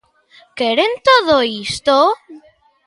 ¿Queren todo isto?